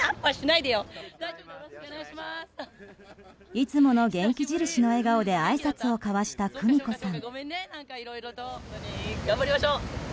いつもの元気印の笑顔であいさつを交わした久美子さん。